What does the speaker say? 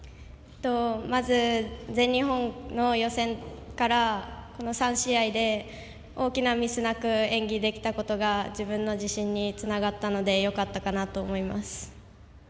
まず全日本の予選からこの３試合で大きなミスなく演技できたことが自分の自信につながったのでよかったかなと思います。